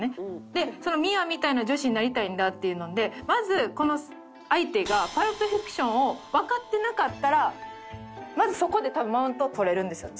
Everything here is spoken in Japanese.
でその「ミアみたいな女子になりたいんだ」っていうのでまずこの相手が『パルプ・フィクション』をわかってなかったらまずそこで多分マウントを取れるんですよ